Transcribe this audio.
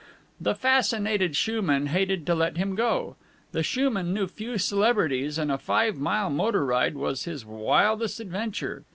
The fascinated shoeman hated to let him go. The shoeman knew few celebrities, and a five mile motor ride was his wildest adventure.